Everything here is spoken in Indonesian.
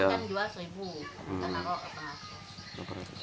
kalau kita jual seribu kita taruh delapan ratus